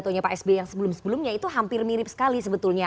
pada pidato pak s b yang sebelum sebelumnya itu hampir mirip sekali sebetulnya